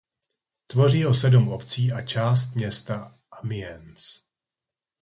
Tvoří ho sedm obcí a část města Amiens.